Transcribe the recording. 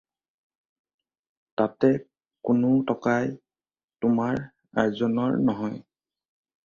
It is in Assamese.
তাতে কোনো টকাই তোমাৰ আৰ্জনৰ নহয়।